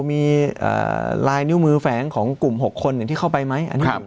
มีลายนิ้วมือแฝงของกลุ่ม๖คนที่เข้าไปไหม